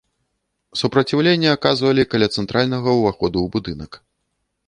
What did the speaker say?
Супраціўленне аказвалі каля цэнтральнага ўваходу ў будынак.